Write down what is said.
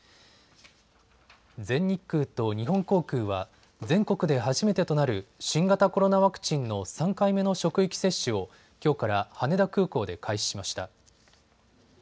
全日空と日本航空は全国で初めてとなる新型コロナワクチンの３回目の職域接種をきょうから羽田空港で開始しました。